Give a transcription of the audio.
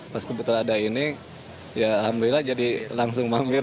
pas kebetulan ada ini ya alhamdulillah jadi langsung mampir